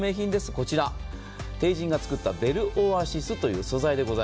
こちらＴＥＩＪＩＮが作ったベルオアシスという素材です。